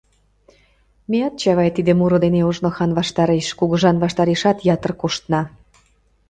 Меат, Чавай, тиде муро дене ожно хан ваштареш, кугыжан ваштарешат ятыр коштна.